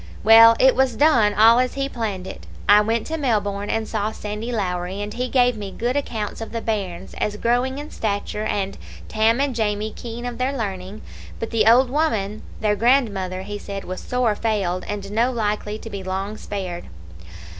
Well, it was done all as he planned it. I went to Melbourne and saw Sandy Lowrie, and he gave me good accounts of the bairns, as growing in stature, and Tam and Jamie keen of their learning, but the old woman, their grandmother, he said was sore failed, and no likely to be long spared.